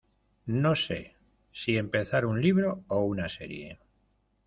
No sé si empezar un libro o una serie.